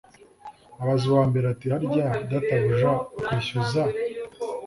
abaza uwa mbere ati harya databuja akwishyuza